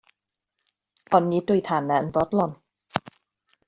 Ond nid oedd Hannah yn fodlon.